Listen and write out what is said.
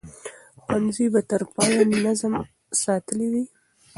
ښوونځي به تر پایه نظم ساتلی وي.